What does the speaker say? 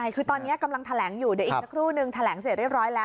คือตอนนี้กำลังแถลงอยู่เดี๋ยวอีกสักครู่นึงแถลงเสร็จเรียบร้อยแล้ว